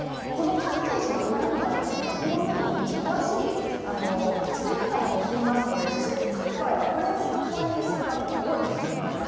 パッケージの裏にはこんなふうに詳しい作り方も載っていますので普通に作る場合はこれを参考にする方が多いと思います。